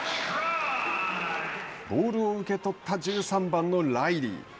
ボールを受け取った１３番のライリー。